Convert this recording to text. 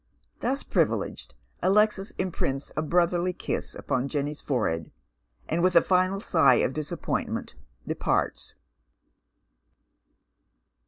Thus privileged, Alexis imprints a brotherly kiss upon Jane's forehead, and with a final sigh of disappointment departs.